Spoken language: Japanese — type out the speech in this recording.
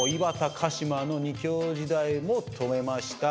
鹿島の２強時代も止めました。